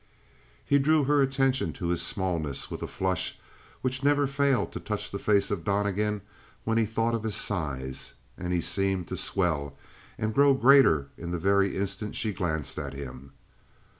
He drew her attention to his smallness with a flush which never failed to touch the face of Donnegan when he thought of his size; and he seemed to swell and grow greater in the very instant she glanced at him.